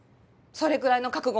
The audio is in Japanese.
それぐらいの覚悟